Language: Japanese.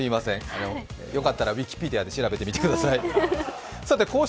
よかったらウィキペディアで調べてみてください。